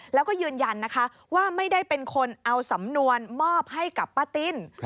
แล้วก็ยืนยันนะคะว่าไม่ได้เป็นคนเอาสำนวนมอบให้กับป้าติ้น